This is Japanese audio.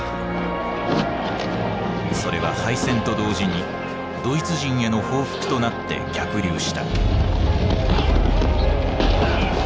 それは敗戦と同時にドイツ人への報復となって逆流した。